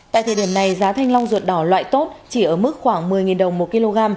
tại thời điểm này giá thanh long ruột đỏ loại tốt chỉ ở mức khoảng một mươi đồng một kg